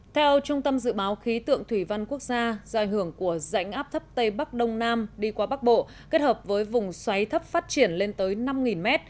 theo trung tâm dự báo khí tượng thủy văn quốc gia do ảnh hưởng của rãnh áp thấp tây bắc đông nam đi qua bắc bộ kết hợp với vùng xoáy thấp phát triển lên tới năm m